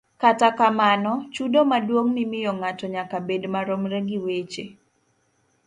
Kata kamano, chudo maduong' mimiyo ng'ato nyaka bed maromre gi weche